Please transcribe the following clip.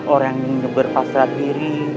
orang yang berpastradiri